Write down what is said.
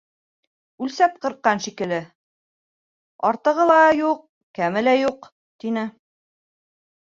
Үлсәп ҡырҡҡан шикелле — артығы ла юҡ, кәме лә юҡ, — тине.